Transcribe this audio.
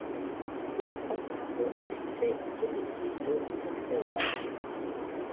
Urasa nkaho ufite ikindi kintu mumutwe wawe.